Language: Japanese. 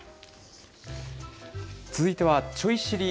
続いてはちょい知り！